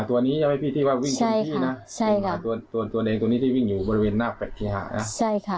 ตัวเองตัวนี้ที่วิ่งอยู่บริเวณหน้าแปดที่๕นะใช่ค่ะ